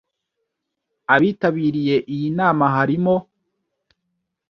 abitabiriye iyi nama harimo